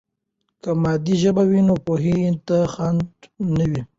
که مادي ژبه وي، نو پوهې ته خنډ نه وي.